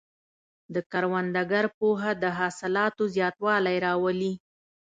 د کروندګر پوهه د حاصلاتو زیاتوالی راولي.